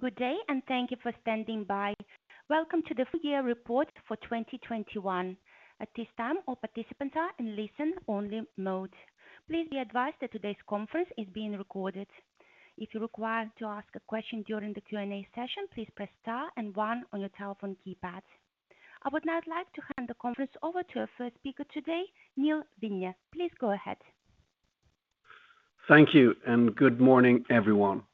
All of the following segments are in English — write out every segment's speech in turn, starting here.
Good day, thank you for standing by. Welcome to the full year report for 2021. At this time, all participants are in listen-only mode. Please be advised that today's conference is being recorded. If you require to ask a question during the Q&A session, please press star and one on your telephone keypad. I would now like to hand the conference over to our first speaker today, Nils Vinge. Please go ahead. Thank you and good morning, everyone.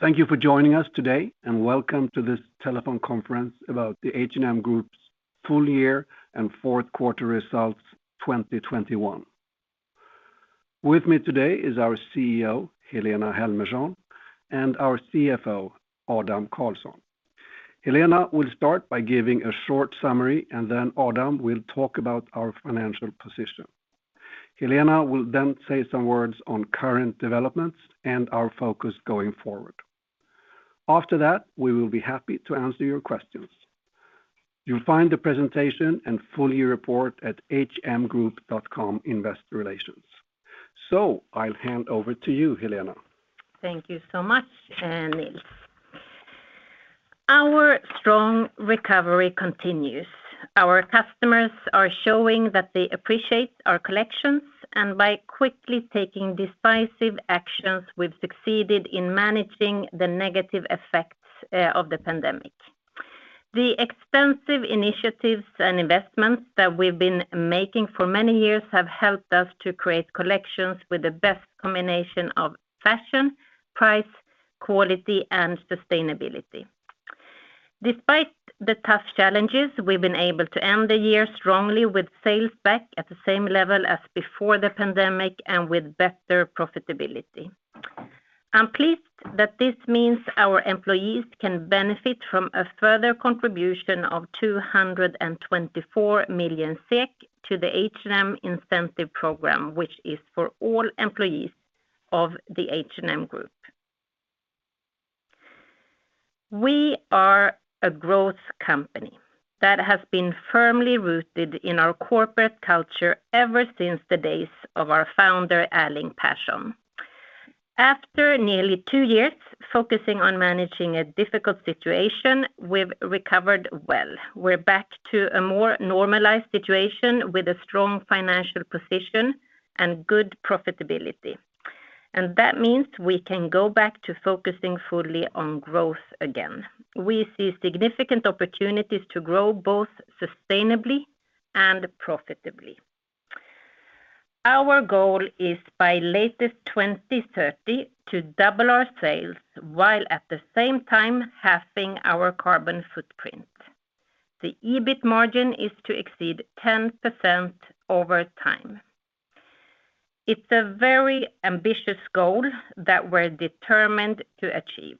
Thank you for joining us today, and welcome to this telephone conference about the H&M Group's full year and fourth quarter results 2021. With me today is our CEO, Helena Helmersson, and our CFO, Adam Karlsson. Helena will start by giving a short summary, and then Adam will talk about our financial position. Helena will then say some words on current developments and our focus going forward. After that, we will be happy to answer your questions. You'll find the presentation and full year report at hmgroup.com/investor-relations. I'll hand over to you, Helena. Thank you so much, Nils. Our strong recovery continues. Our customers are showing that they appreciate our collections, and by quickly taking decisive actions, we've succeeded in managing the negative effects of the pandemic. The extensive initiatives and investments that we've been making for many years have helped us to create collections with the best combination of fashion, price, quality, and sustainability. Despite the tough challenges, we've been able to end the year strongly with sales back at the same level as before the pandemic and with better profitability. I'm pleased that this means our employees can benefit from a further contribution of 224 million SEK to the H&M incentive program, which is for all employees of the H&M Group. We are a growth company that has been firmly rooted in our corporate culture ever since the days of our founder, Erling Persson. After nearly two years focusing on managing a difficult situation, we've recovered well. We're back to a more normalized situation with a strong financial position and good profitability. That means we can go back to focusing fully on growth again. We see significant opportunities to grow both sustainably and profitably. Our goal is by latest 2030 to double our sales while at the same time halving our carbon footprint. The EBIT margin is to exceed 10% over time. It's a very ambitious goal that we're determined to achieve.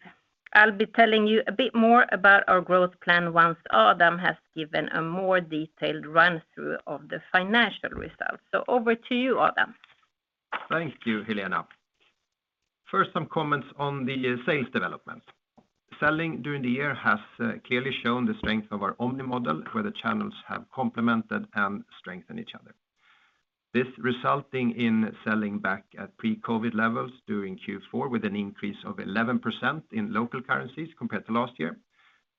I'll be telling you a bit more about our growth plan once Adam has given a more detailed run through of the financial results. Over to you, Adam. Thank you, Helena. First, some comments on the sales development. Sales during the year has clearly shown the strength of our Omni model, where the channels have complemented and strengthened each other. This resulting in sales back at pre-COVID levels during Q4 with an increase of 11% in local currencies compared to last year.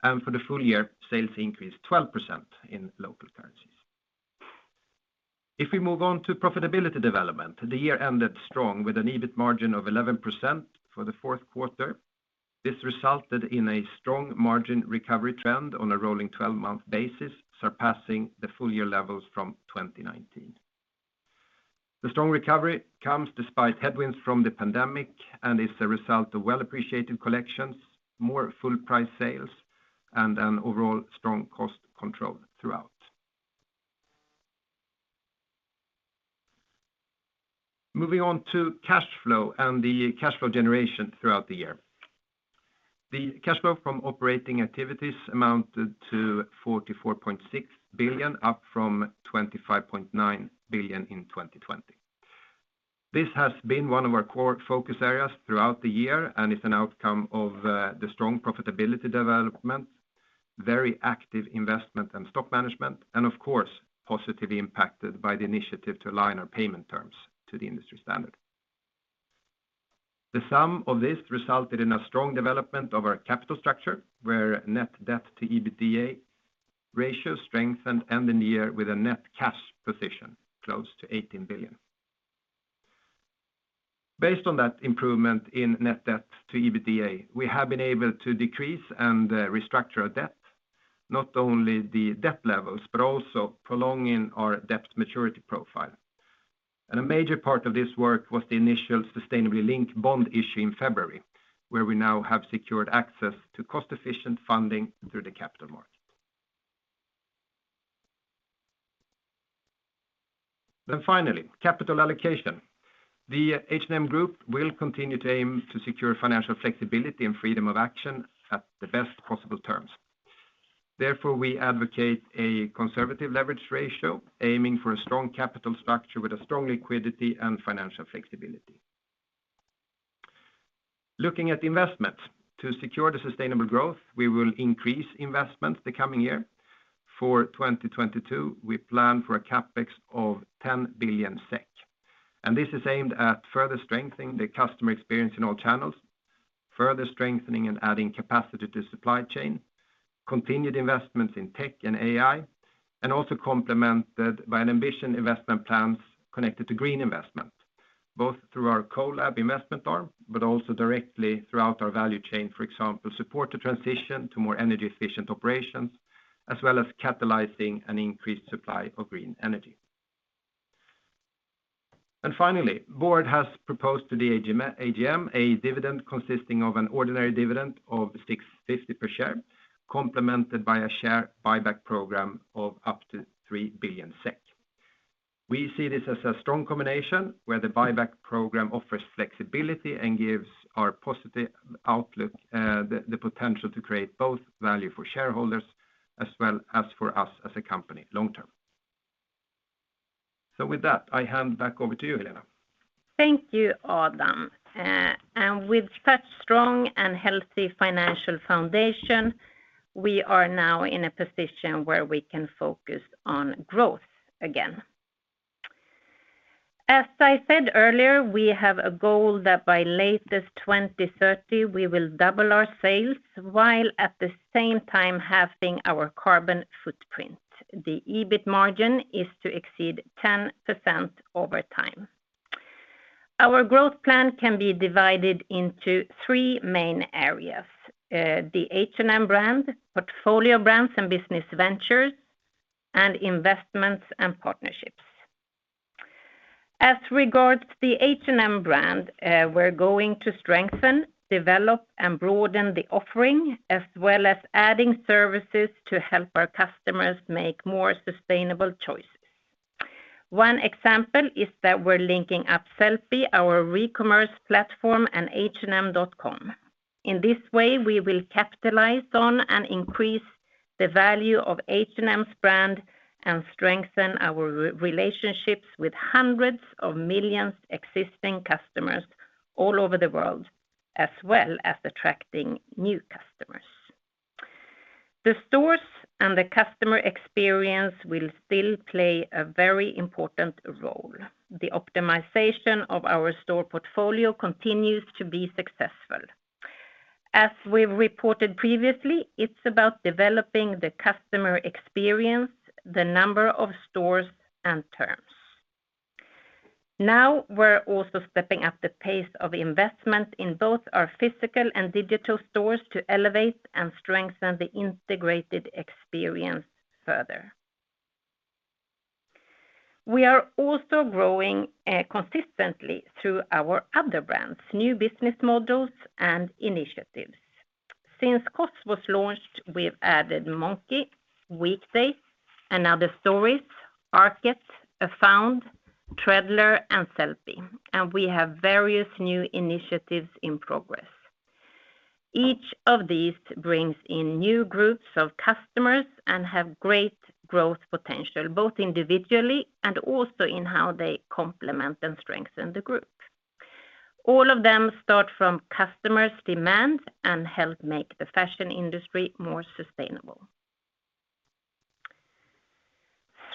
For the full year, sales increased 12% in local currencies. If we move on to profitability development, the year ended strong with an EBIT margin of 11% for the fourth quarter. This resulted in a strong margin recovery trend on a rolling 12-month basis, surpassing the full year levels from 2019. The strong recovery comes despite headwinds from the pandemic and is a result of well-appreciated collections, more full price sales, and an overall strong cost control throughout. Moving on to cash flow and the cash flow generation throughout the year. The cash flow from operating activities amounted to 44.6 billion, up from 25.9 billion in 2020. This has been one of our core focus areas throughout the year and is an outcome of the strong profitability development, very active investment and stock management, and of course, positively impacted by the initiative to align our payment terms to the industry standard. The sum of this resulted in a strong development of our capital structure, where net debt to EBITDA ratio strengthened, ending in the year with a net cash position close to 18 billion. Based on that improvement in net debt to EBITDA, we have been able to decrease and restructure our debt, not only the debt levels, but also prolonging our debt maturity profile. A major part of this work was the initial sustainably linked bond issue in February, where we now have secured access to cost-efficient funding through the capital market. Finally, capital allocation. The H&M Group will continue to aim to secure financial flexibility and freedom of action at the best possible terms. Therefore, we advocate a conservative leverage ratio, aiming for a strong capital structure with a strong liquidity and financial flexibility. Looking at investment. To secure the sustainable growth, we will increase investments the coming year. For 2022, we plan for a CapEx of 10 billion SEK. This is aimed at further strengthening the customer experience in all channels, further strengthening and adding capacity to supply chain, continued investments in tech and AI, and also complemented by ambitious investment plans connected to green investments, both through our CO:LAB investment arm, but also directly throughout our value chain, for example, support the transition to more energy efficient operations, as well as catalyzing an increased supply of green energy. Finally, the board has proposed to the AGM a dividend consisting of an ordinary dividend of 6.50 per share, complemented by a share buyback program of up to 3 billion SEK. We see this as a strong combination where the buyback program offers flexibility and gives our positive outlook the potential to create both value for shareholders as well as for us as a company long term. With that, I hand back over to you, Helena. Thank you, Adam. With such strong and healthy financial foundation, we are now in a position where we can focus on growth again. As I said earlier, we have a goal that by latest 2030, we will double our sales while at the same time halving our carbon footprint. The EBIT margin is to exceed 10% over time. Our growth plan can be divided into three main areas, the H&M brand, portfolio brands and business ventures, and investments and partnerships. As regards to the H&M brand, we're going to strengthen, develop, and broaden the offering, as well as adding services to help our customers make more sustainable choices. One example is that we're linking up Sellpy, our recommerce platform, and hm.com. In this way, we will capitalize on and increase the value of H&M's brand and strengthen our relationships with hundreds of millions existing customers all over the world, as well as attracting new customers. The stores and the customer experience will still play a very important role. The optimization of our store portfolio continues to be successful. As we reported previously, it's about developing the customer experience, the number of stores, and terms. Now, we're also stepping up the pace of investment in both our physical and digital stores to elevate and strengthen the integrated experience further. We are also growing consistently through our other brands, new business models and initiatives. Since COS was launched, we've added Monki, Weekday, & Other Stories, ARKET, Afound, Treadler, and Sellpy, and we have various new initiatives in progress. Each of these brings in new groups of customers and have great growth potential, both individually and also in how they complement and strengthen the group. All of them start from customers' demands and help make the fashion industry more sustainable.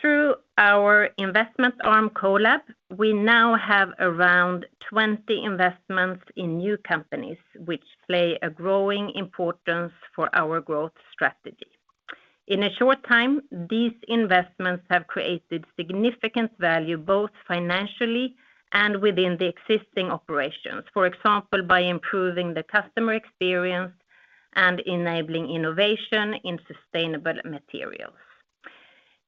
Through our investment arm, CO:LAB, we now have around 20 investments in new companies which play a growing importance for our growth strategy. In a short time, these investments have created significant value, both financially and within the existing operations, for example, by improving the customer experience and enabling innovation in sustainable materials.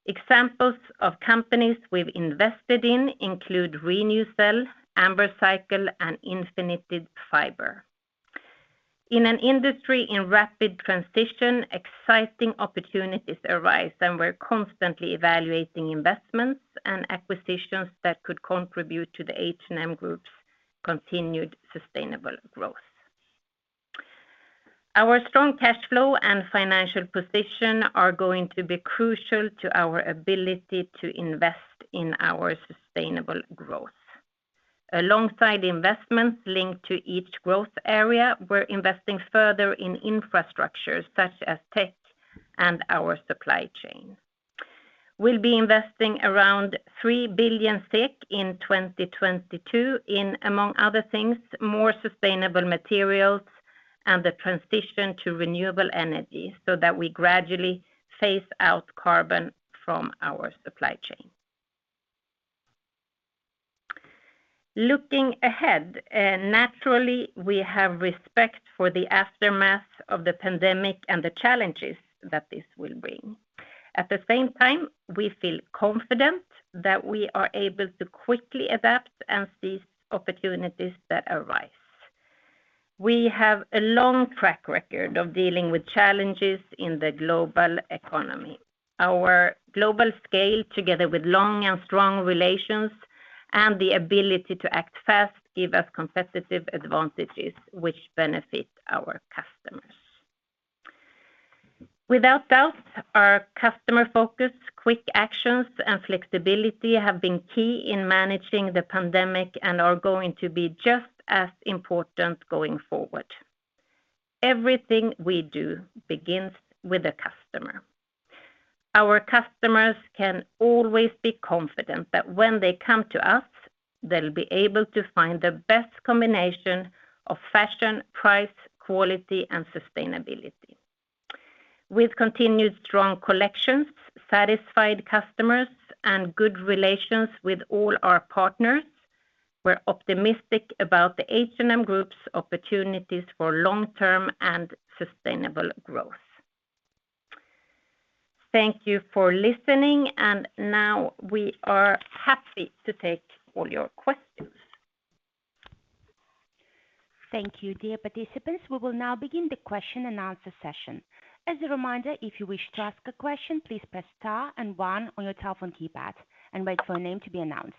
Examples of companies we've invested in include Renewcell, Ambercycle, and Infinited Fiber. In an industry in rapid transition, exciting opportunities arise, and we're constantly evaluating investments and acquisitions that could contribute to the H&M Group's continued sustainable growth. Our strong cash flow and financial position are going to be crucial to our ability to invest in our sustainable growth. Alongside investments linked to each growth area, we're investing further in infrastructure such as tech and our supply chain. We'll be investing around 3 billion SEK in 2022 in, among other things, more sustainable materials and the transition to renewable energy so that we gradually phase out carbon from our supply chain. Looking ahead, naturally, we have respect for the aftermath of the pandemic and the challenges that this will bring. At the same time, we feel confident that we are able to quickly adapt and seize opportunities that arise. We have a long track record of dealing with challenges in the global economy. Our global scale together with long and strong relations and the ability to act fast give us competitive advantages which benefit our customers. Without doubt, our customer focus, quick actions, and flexibility have been key in managing the pandemic and are going to be just as important going forward. Everything we do begins with the customer. Our customers can always be confident that when they come to us, they'll be able to find the best combination of fashion, price, quality, and sustainability. With continued strong collections, satisfied customers, and good relations with all our partners, we're optimistic about the H&M Group's opportunities for long-term and sustainable growth. Thank you for listening, and now we are happy to take all your questions. Thank you, dear participants. We will now begin the question and answer session. As a reminder, if you wish to ask a question, please press star and one on your telephone keypad and wait for your name to be announced.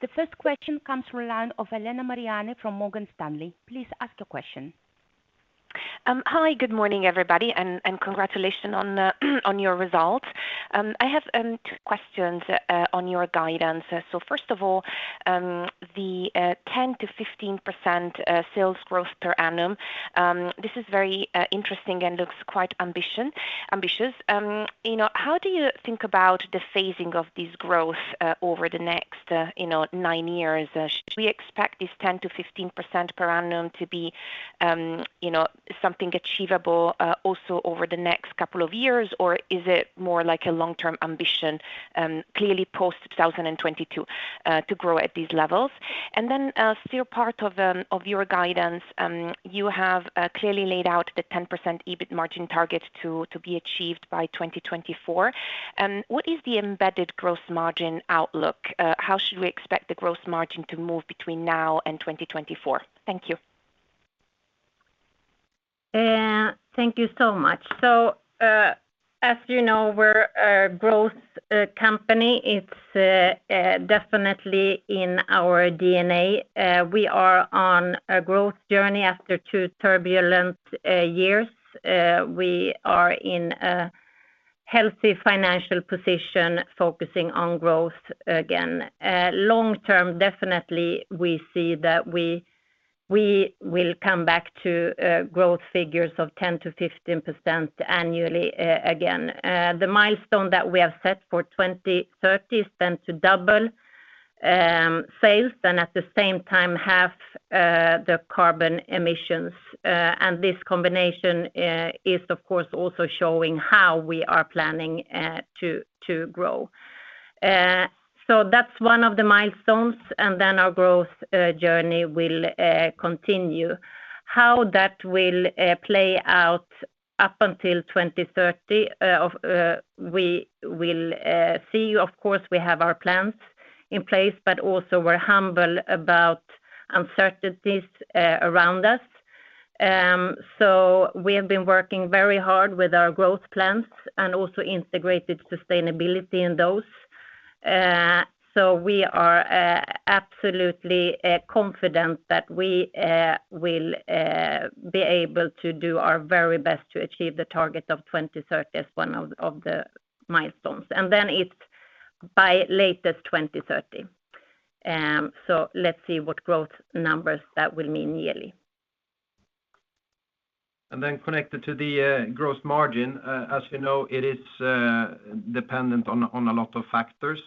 The first question comes from the line of Elena Mariani from Morgan Stanley. Please ask your question. Hi, good morning, everybody, and congratulations on your results. I have two questions on your guidance. First of all, the 10%-15% sales growth per annum, this is very interesting and looks quite ambitious. You know, how do you think about the phasing of this growth over the next, you know, nine years? Should we expect this 10%-15% per annum to be, you know, something achievable also over the next couple of years, or is it more like a long-term ambition, clearly post-2022 to grow at these levels? Then, still part of your guidance, you have clearly laid out the 10% EBIT margin target to be achieved by 2024. What is the embedded gross margin outlook? How should we expect the gross margin to move between now and 2024? Thank you. Thank you so much. As you know, we're a growth company. It's definitely in our DNA. We are on a growth journey after two turbulent years. We are in a healthy financial position, focusing on growth again. Long term, definitely, we see that we will come back to growth figures of 10%-15% annually again. The milestone that we have set for 2030 is to double sales, then at the same time halve the carbon emissions. This combination is of course also showing how we are planning to grow. That's one of the milestones, and our growth journey will continue. How that will play out up until 2030, we will see. Of course, we have our plans in place, but also we're humble about uncertainties around us. We have been working very hard with our growth plans and also integrated sustainability in those. We are absolutely confident that we will be able to do our very best to achieve the target of 2030 as one of the milestones. Then it's by latest 2030. Let's see what growth numbers that will mean yearly. Connected to the gross margin, as you know, it is dependent on a lot of factors.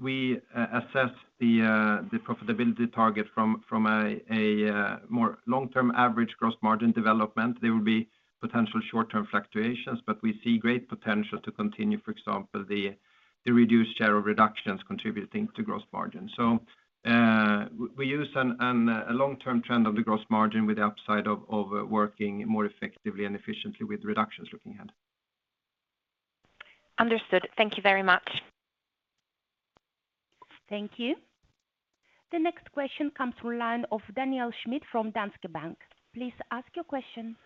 We assess the profitability target from a more long-term average gross margin development. There will be potential short-term fluctuations, but we see great potential to continue, for example, the reduced share of reductions contributing to gross margin. We use a long-term trend of the gross margin with the upside of working more effectively and efficiently with reductions looking ahead. Understood. Thank you very much. Thank you. The next question comes from the line of Daniel Schmidt from Danske Bank. Please ask your question.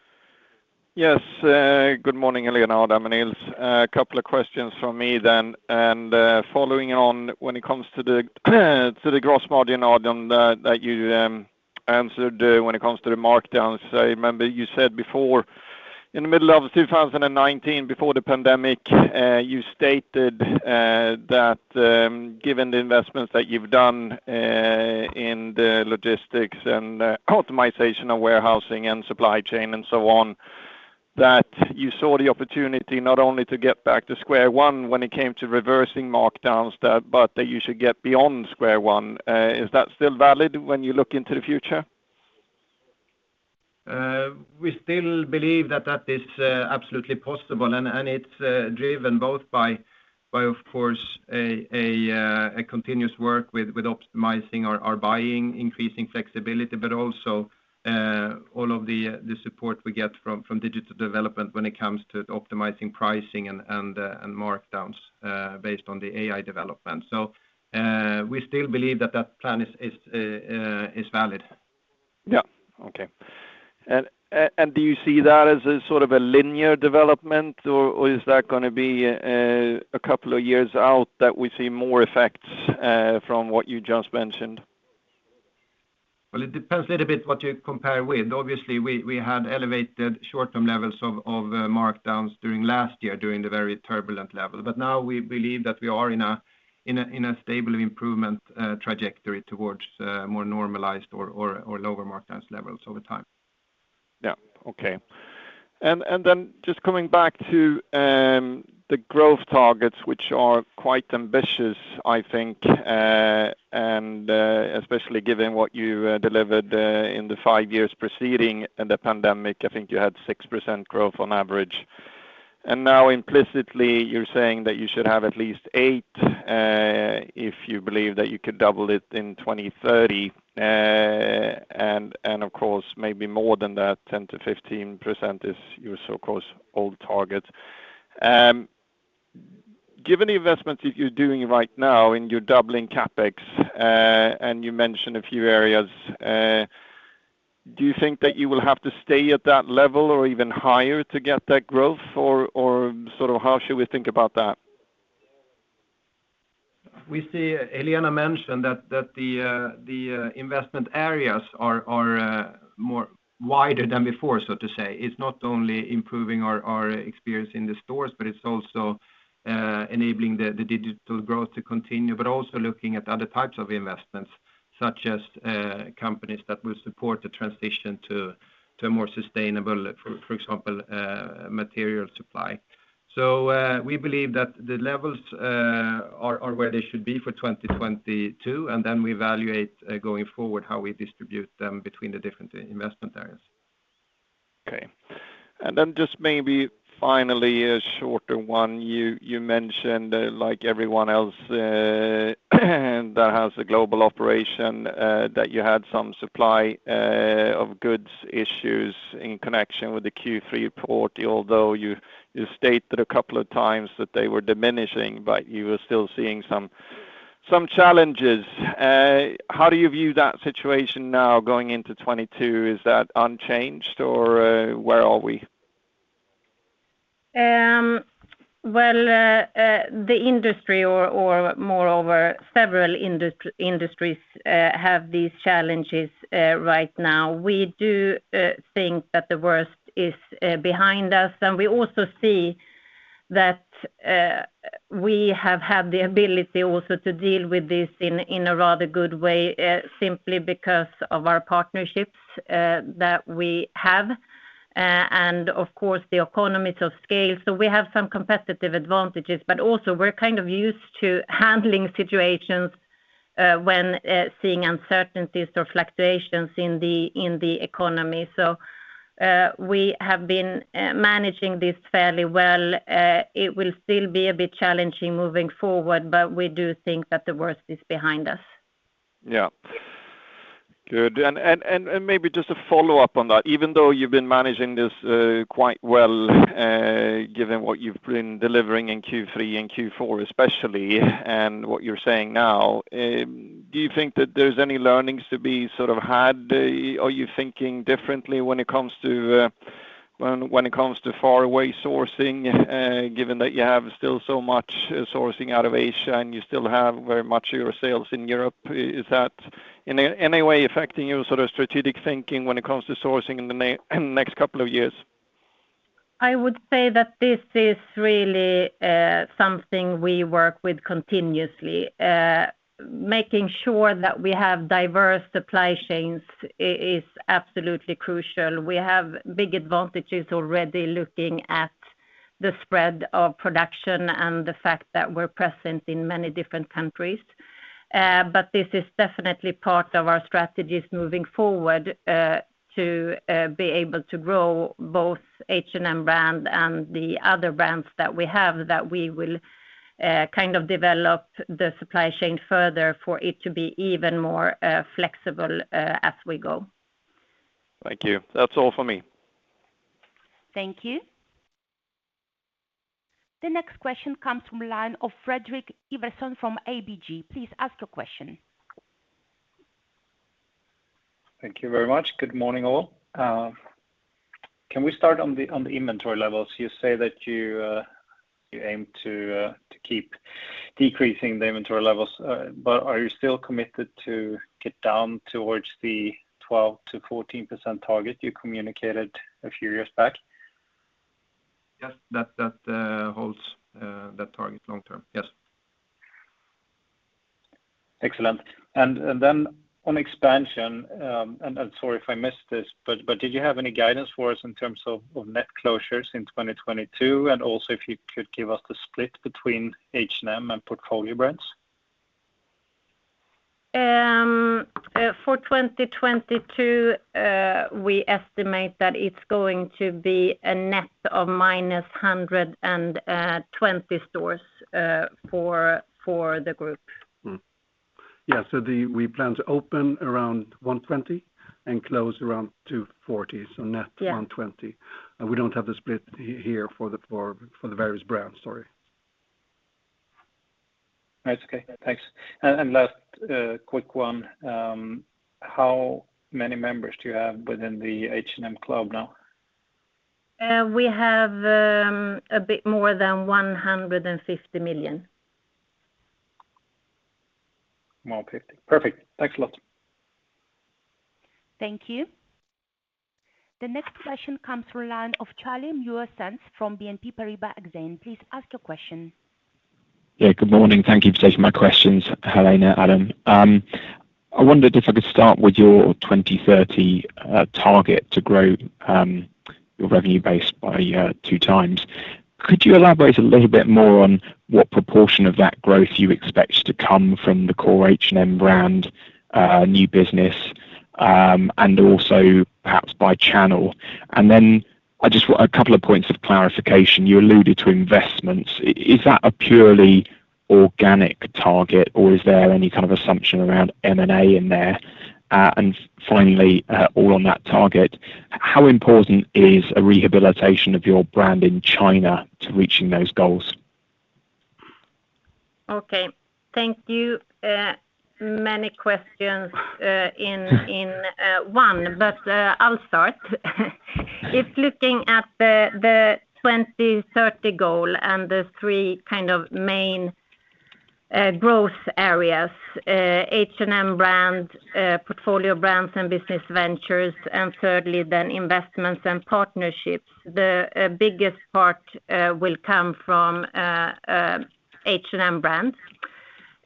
Yes, good morning, Helena and Nils. A couple of questions from me then. Following on when it comes to the gross margin item that you answered when it comes to the markdowns, I remember you said before in the middle of 2019, before the pandemic, you stated that given the investments that you've done in the logistics and optimization of warehousing and supply chain and so on, that you saw the opportunity not only to get back to square one when it comes to reversing markdowns but that you should get beyond square one. Is that still valid when you look into the future? We still believe that is absolutely possible. It's driven both by, of course, a continuous work with optimizing our buying, increasing flexibility, but also all of the support we get from digital development when it comes to optimizing pricing and markdowns based on the AI development. We still believe that plan is valid. Yeah. Okay. Do you see that as a sort of a linear development, or is that gonna be a couple of years out that we see more effects from what you just mentioned? Well, it depends a little bit what you compare with. Obviously, we had elevated short term levels of markdowns during last year, during the very turbulent level. Now we believe that we are in a stable improvement trajectory towards more normalized or lower markdowns levels over time. Yeah. Okay. Just coming back to the growth targets, which are quite ambitious, I think, and especially given what you delivered in the five years preceding the pandemic, I think you had 6% growth on average. Now implicitly you're saying that you should have at least eight, if you believe that you could double it in 2030. Of course, maybe more than that, 10%-15% is your long-term target. Given the investments that you're doing right now and you're doubling CapEx, and you mentioned a few areas, do you think that you will have to stay at that level or even higher to get that growth or sort of how should we think about that? We see Elena mentioned that the investment areas are more wider than before, so to say. It's not only improving our experience in the stores, but it's also enabling the digital growth to continue, but also looking at other types of investments such as companies that will support the transition to a more sustainable, for example, material supply. We believe that the levels are where they should be for 2022, and then we evaluate going forward how we distribute them between the different investment areas. Okay. Just maybe finally a shorter one. You mentioned, like everyone else that has a global operation, that you had some supply of goods issues in connection with the Q3 report, although you stated a couple of times that they were diminishing, but you were still seeing some challenges. How do you view that situation now going into 2022? Is that unchanged or where are we? Well, the industry or moreover several industries have these challenges right now. We do think that the worst is behind us. We also see that we have had the ability also to deal with this in a rather good way, simply because of our partnerships that we have and of course the economies of scale. We have some competitive advantages, but also we're kind of used to handling situations when seeing uncertainties or fluctuations in the economy. We have been managing this fairly well. It will still be a bit challenging moving forward, but we do think that the worst is behind us. Maybe just a follow-up on that. Even though you've been managing this quite well, given what you've been delivering in Q3 and Q4 especially, and what you're saying now, do you think that there's any learnings to be sort of had? Are you thinking differently when it comes to far away sourcing, given that you have still so much sourcing out of Asia, and you still have very much your sales in Europe? Is that in any way affecting your sort of strategic thinking when it comes to sourcing in the next couple of years? I would say that this is really something we work with continuously. Making sure that we have diverse supply chains is absolutely crucial. We have big advantages already looking at the spread of production and the fact that we're present in many different countries. This is definitely part of our strategies moving forward to be able to grow both H&M brand and the other brands that we have, that we will kind of develop the supply chain further for it to be even more flexible as we go. Thank you. That's all for me. Thank you. The next question comes from the line of Fredrik Ivarsson from ABG. Please ask your question. Thank you very much. Good morning, all. Can we start on the inventory levels? You say that you aim to keep decreasing the inventory levels, but are you still committed to get down towards the 12%-14% target you communicated a few years back? Yes. That holds, that target long term. Yes. Excellent. Then on expansion, sorry if I missed this, but did you have any guidance for us in terms of net closures in 2022? Also if you could give us the split between H&M and portfolio brands. For 2022, we estimate that it's going to be a net of -120 stores for the group. We plan to open around 120 and close around 240. Net- Yeah. 120. We don't have the split here for the various brands, sorry. That's okay. Thanks. Last quick one, how many members do you have within the H&M Club now? We have a bit more than 150 million. 150. Perfect. Thanks a lot. Thank you. The next question comes from the line of Charlie Muir-Sands from BNP Paribas Exane. Please ask your question. Yeah, good morning. Thank you for taking my questions, Helena, Adam. I wondered if I could start with your 2030 target to grow your revenue base by two times. Could you elaborate a little bit more on what proportion of that growth you expect to come from the core H&M brand, new business, and also perhaps by channel? Then I just want a couple of points of clarification. You alluded to investments. Is that a purely organic target or is there any kind of assumption around M&A in there? Finally, all on that target, how important is a rehabilitation of your brand in China to reaching those goals? Okay, thank you. Many questions in one, but I'll start. If looking at the 2030 goal and the three kind of main growth areas, H&M brand, portfolio brands and business ventures, and thirdly then investments and partnerships, the biggest part will come from H&M brand.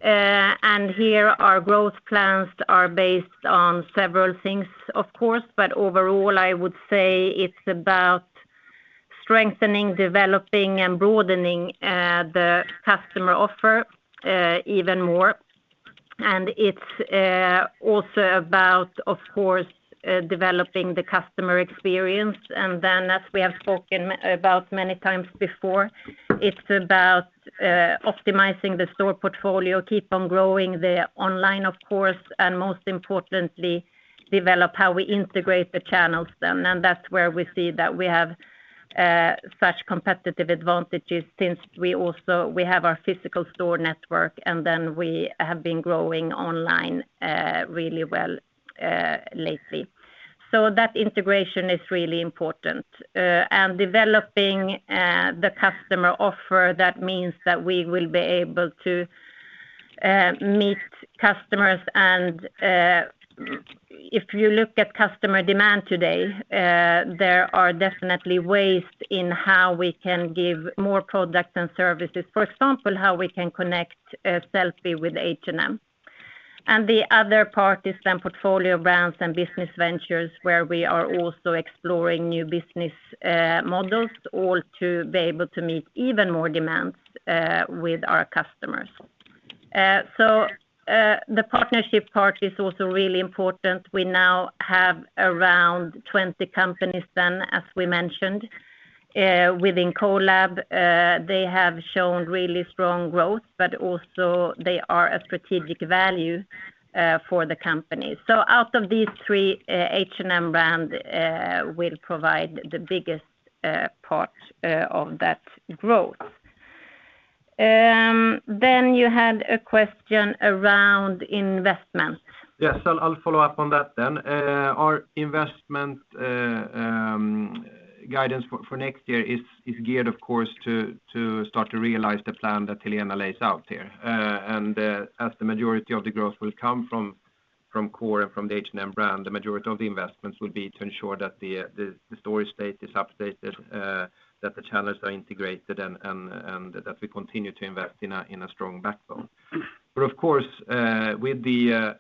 Here our growth plans are based on several things, of course. Overall, I would say it's about strengthening, developing and broadening the customer offer even more. It's also about, of course, developing the customer experience. Then as we have spoken about many times before, it's about optimizing the store portfolio, keep on growing the online of course, and most importantly, develop how we integrate the channels then. That's where we see that we have such competitive advantages since we also have our physical store network and then we have been growing online really well lately. That integration is really important. Developing the customer offer, that means that we will be able to meet customers and if you look at customer demand today, there are definitely ways in how we can give more products and services. For example, how we can connect Sellpy with H&M. The other part is then portfolio brands and business ventures, where we are also exploring new business models all to be able to meet even more demands with our customers. The partnership part is also really important. We now have around 20 companies then as we mentioned, within CO:LAB, they have shown really strong growth, but also they are a strategic value, for the company. Out of these three, H&M brand, will provide the biggest, part, of that growth. You had a question around investment. Yes, I'll follow up on that then. Our investment guidance for next year is geared, of course, to start to realize the plan that Helena lays out here. As the majority of the growth will come from core and from the H&M brand, the majority of the investments will be to ensure that the store estate is up to date, that the channels are integrated and that we continue to invest in a strong backbone. Of course, with the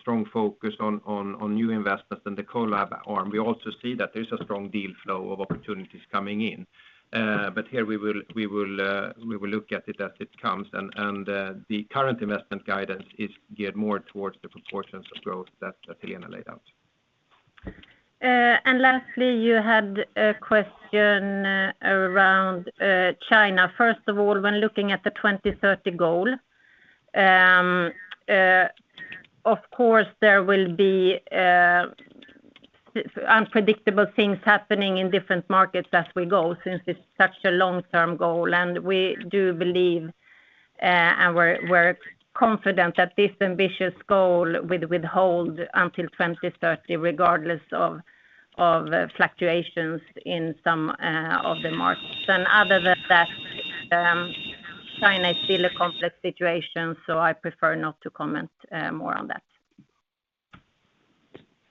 strong focus on new investments in the CO:LAB arm, we also see that there's a strong deal flow of opportunities coming in. Here we will look at it as it comes and the current investment guidance is geared more towards the proportions of growth that Helena laid out. Lastly, you had a question around China. First of all, when looking at the 2030 goal, of course, there will be unpredictable things happening in different markets as we go since it's such a long-term goal. We do believe, and we're confident that this ambitious goal will hold until 2030, regardless of fluctuations in some of the markets. Other than that, China is still a complex situation, so I prefer not to comment more on that.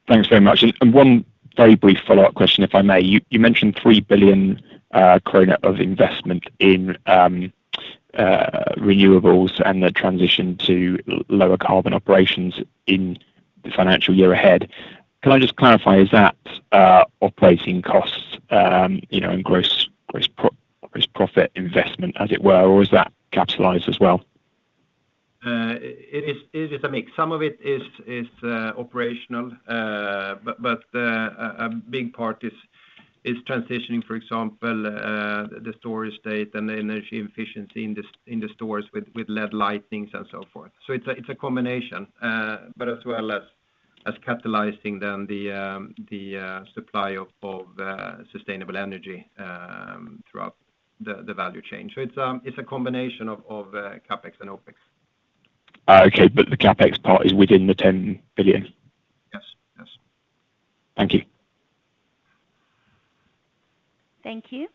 Thanks very much. One very brief follow-up question, if I may. You mentioned 3 billion krona of investment in renewables and the transition to lower carbon operations in the financial year ahead. Can I just clarify, is that operating costs, you know, and gross profit investment as it were? Or is that capitalized as well? It is a mix. Some of it is operational. A big part is transitioning, for example, the store estate and the energy efficiency in the stores with LED lighting and so forth. It's a combination, but as well as capitalizing on the supply of sustainable energy throughout the value chain. It's a combination of CapEx and OpEx. Okay, the CapEx part is within 10 billion? Yes. Yes. Thank you. Thank you.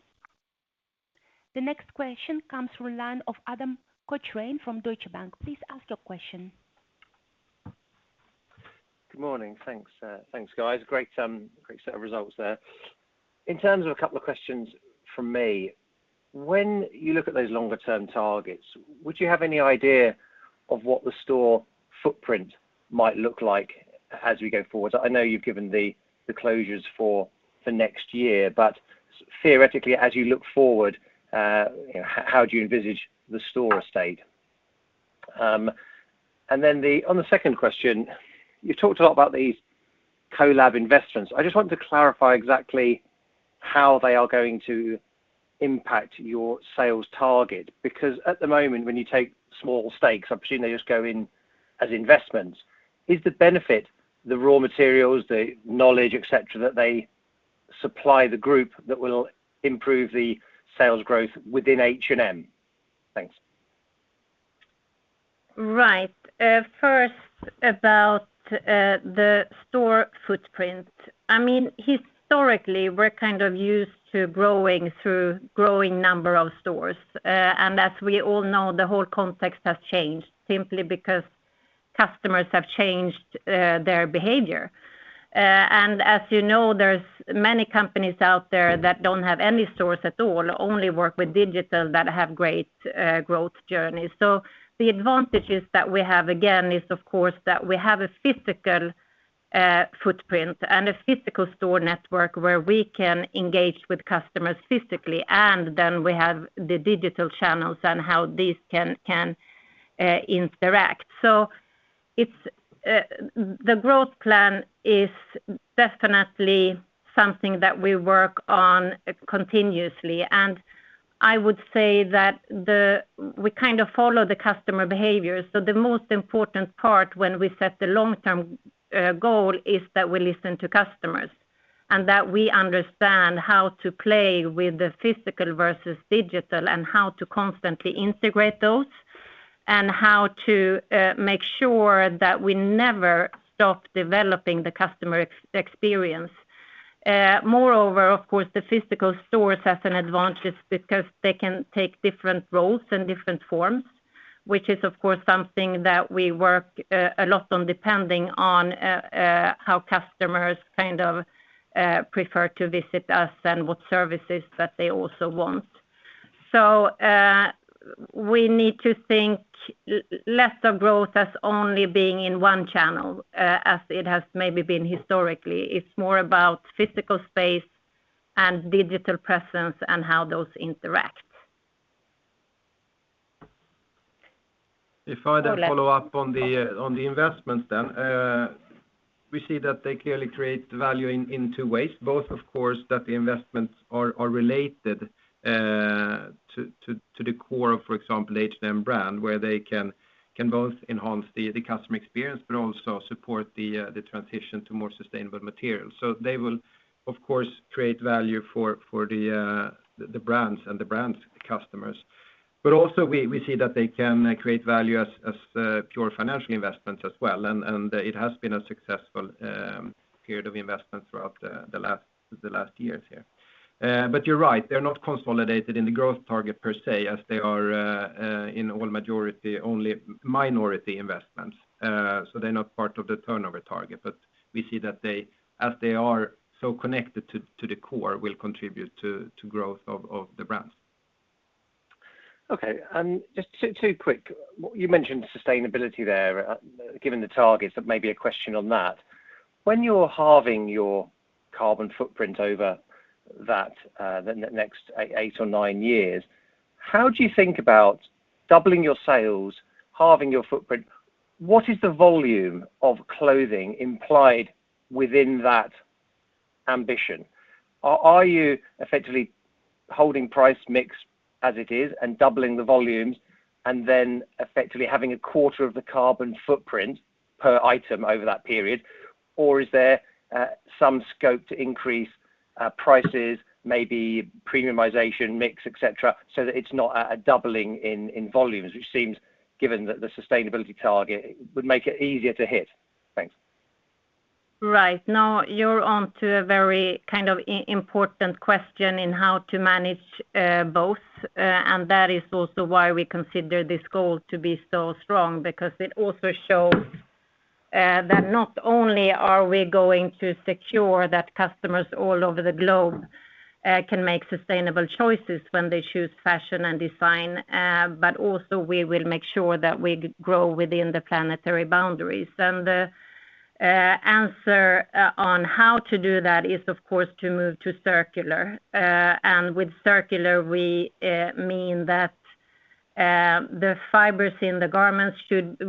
The next question comes from the line of Adam Cochrane from Deutsche Bank. Please ask your question. Good morning. Thanks. Thanks, guys. Great set of results there. In terms of a couple of questions from me, when you look at those longer term targets, would you have any idea of what the store footprint might look like as we go forward? I know you've given the closures for next year, but theoretically, as you look forward, you know, how do you envisage the store state? On the second question, you've talked a lot about these collab investments. I just wanted to clarify exactly how they are going to impact your sales target. Because at the moment, when you take small stakes, I presume they just go in as investments. Is the benefit the raw materials, the knowledge, et cetera, that they supply the group that will improve the sales growth within H&M? Thanks. Right. First, about the store footprint. I mean, historically, we're kind of used to growing through growing number of stores. As we all know, the whole context has changed simply because customers have changed their behavior. As you know, there's many companies out there that don't have any stores at all, only work with digital that have great growth journeys. The advantages that we have, again, is, of course, that we have a physical footprint and a physical store network where we can engage with customers physically, and then we have the digital channels and how these can interact. It's the growth plan is definitely something that we work on continuously. I would say that we kind of follow the customer behavior. The most important part when we set the long-term goal is that we listen to customers and that we understand how to play with the physical versus digital and how to constantly integrate those and how to make sure that we never stop developing the customer experience. Moreover, of course, the physical stores has an advantage because they can take different roles and different forms, which is, of course, something that we work a lot on, depending on how customers kind of prefer to visit us and what services that they also want. We need to think less of growth as only being in one channel as it has maybe been historically. It's more about physical space and digital presence and how those interact. If I then follow up on the investments then. We see that they clearly create value in two ways, both, of course, that the investments are related to the core of, for example, H&M brand, where they can both enhance the customer experience but also support the transition to more sustainable materials. They will, of course, create value for the brands and the brands' customers. Also we see that they can create value as pure financial investments as well. It has been a successful period of investment throughout the last years here. But you're right, they're not consolidated in the growth target per se, as they are only minority investments. They're not part of the turnover target. We see that they, as they are so connected to the core, will contribute to growth of the brands. Okay. Just two quick. You mentioned sustainability there. Given the targets, maybe a question on that. When you're halving your carbon footprint over that, the next eight or nine years, how do you think about doubling your sales, halving your footprint? What is the volume of clothing implied within that ambition? Are you effectively holding price mix as it is and doubling the volumes and then effectively having a quarter of the carbon footprint per item over that period? Or is there some scope to increase prices, maybe premiumization mix, et cetera, so that it's not a doubling in volumes, which seems, given the sustainability target, would make it easier to hit? Thanks. Right. Now you're onto a very kind of important question in how to manage both. That is also why we consider this goal to be so strong, because it also shows that not only are we going to secure that customers all over the globe can make sustainable choices when they choose fashion and design, but also we will make sure that we grow within the planetary boundaries. The answer on how to do that is, of course, to move to circular. With circular, we mean that the fibers in the garments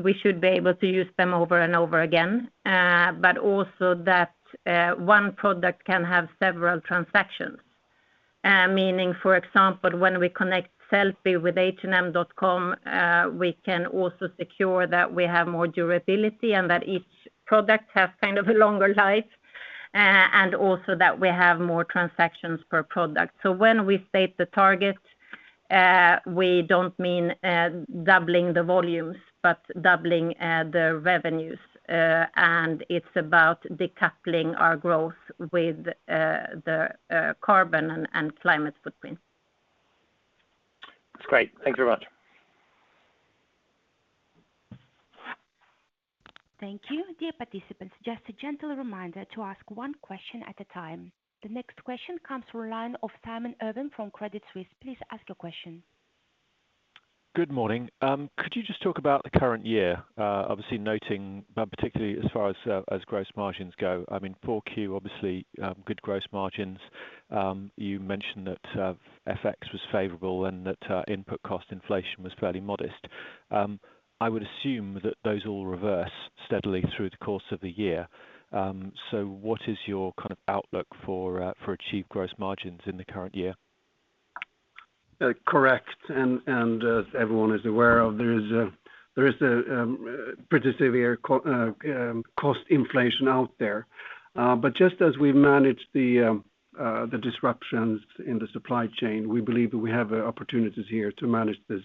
we should be able to use them over and over again, but also that one product can have several transactions. Meaning, for example, when we connect Sellpy with hm.com, we can also secure that we have more durability and that each product has kind of a longer life. Also that we have more transactions per product. When we state the target, we don't mean doubling the volumes, but doubling the revenues. It's about decoupling our growth with the carbon and climate footprint. That's great. Thank you very much. Thank you. Dear participants, just a gentle reminder to ask one question at a time. The next question comes from the line of Simon Irwin from Credit Suisse. Please ask your question. Good morning. Could you just talk about the current year? Obviously noting, particularly as far as gross margins go, I mean, poor Q obviously, good gross margins. You mentioned that FX was favorable and that input cost inflation was fairly modest. I would assume that those all reverse steadily through the course of the year. What is your kind of outlook for achieved gross margins in the current year? Correct. As everyone is aware of, there is a pretty severe cost inflation out there. Just as we've managed the disruptions in the supply chain, we believe that we have opportunities here to manage this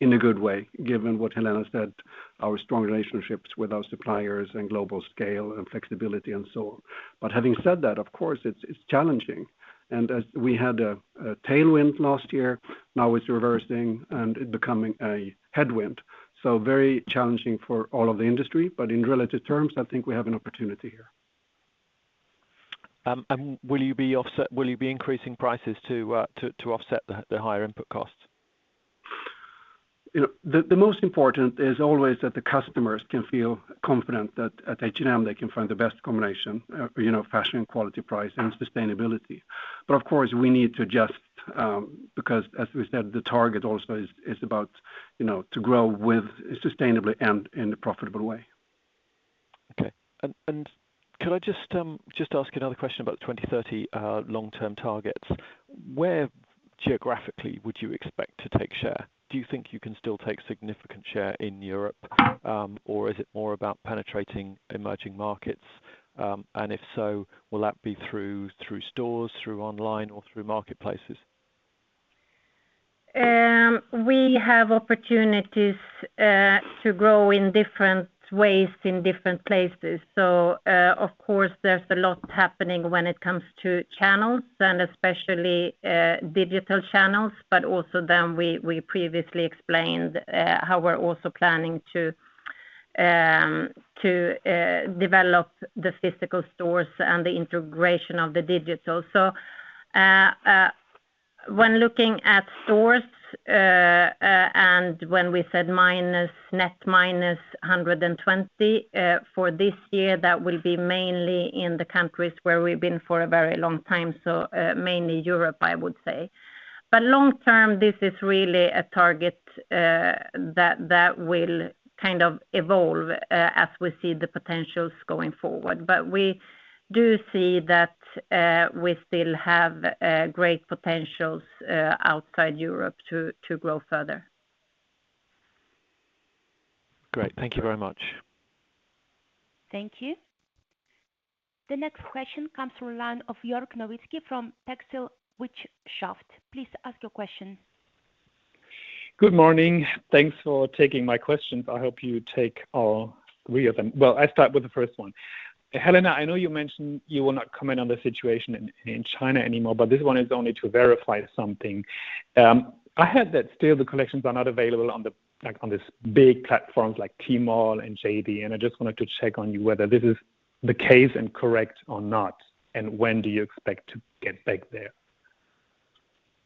in a good way, given what Helena said, our strong relationships with our suppliers and global scale and flexibility and so on. Having said that, of course, it's challenging. As we had a tailwind last year, now it's reversing and it's becoming a headwind. Very challenging for all of the industry, but in relative terms, I think we have an opportunity here. Will you be increasing prices to offset the higher input costs? You know, the most important is always that the customers can feel confident that at H&M they can find the best combination, you know, fashion, quality, price, and sustainability. Of course, we need to adjust, because as we said, the target also is about, you know, to grow with sustainably and in a profitable way. Okay. Could I just ask another question about 2030 long-term targets? Where geographically would you expect to take share? Do you think you can still take significant share in Europe, or is it more about penetrating emerging markets? If so, will that be through stores, through online or through marketplaces? We have opportunities to grow in different ways in different places. Of course, there's a lot happening when it comes to channels and especially digital channels, but also then we previously explained how we're also planning to develop the physical stores and the integration of the digital. When looking at stores, and when we said net minus 120 for this year, that will be mainly in the countries where we've been for a very long time, mainly Europe, I would say. Long term, this is really a target that will kind of evolve as we see the potentials going forward. We do see that we still have great potentials outside Europe to grow further. Great. Thank you very much. Thank you. The next question comes from the line of Jörg Nowicki from TextilWirtschaft. Please ask your question. Good morning. Thanks for taking my questions. I hope you take all three of them. Well, I start with the first one. Helena, I know you mentioned you will not comment on the situation in China anymore, but this one is only to verify something. I heard that still the collections are not available, like, on these big platforms like Tmall and JD, and I just wanted to check with you whether this is the case and correct or not, and when do you expect to get back there?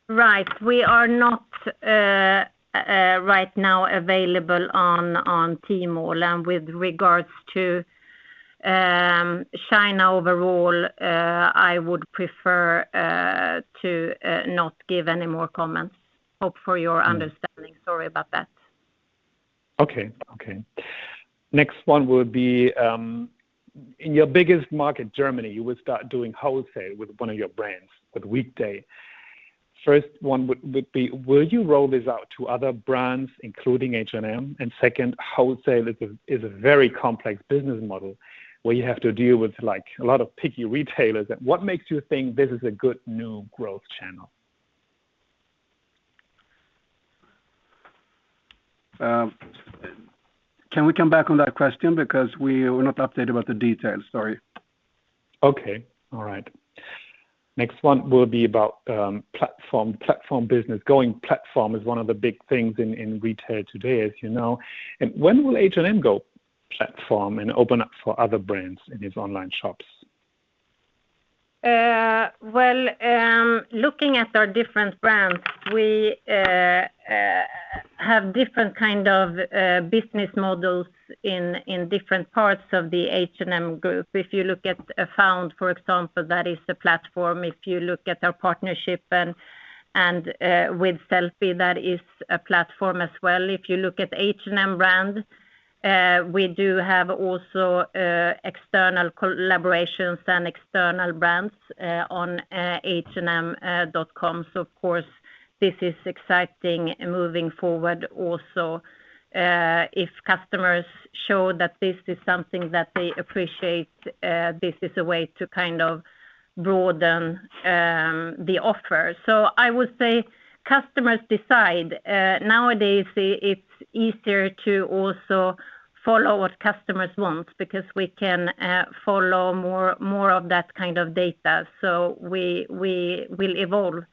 Right. We are not right now available on Tmall. With regards to China overall, I would prefer to not give any more comments. Hope for your understanding. Sorry about that. Next one would be, in your biggest market, Germany, you will start doing wholesale with one of your brands, with Weekday. First one would be, will you roll this out to other brands, including H&M? Second, wholesale is a very complex business model where you have to deal with, like, a lot of picky retailers. What makes you think this is a good new growth channel? Can we come back on that question because we're not updated about the details? Sorry. Okay. All right. Next one will be about platform business. Going platform is one of the big things in retail today, as you know. When will H&M go platform and open up for other brands in its online shops? Well, looking at our different brands, we have different kind of business models in different parts of the H&M Group. If you look at Afound, for example, that is a platform. If you look at our partnership and with Sellpy, that is a platform as well. If you look at H&M brand, we do have also external collaborations and external brands on hm.com. This is exciting moving forward also, if customers show that this is something that they appreciate, this is a way to kind of broaden the offer. I would say customers decide. Nowadays, it's easier to also follow what customers want because we can follow more of that kind of data. We will evolve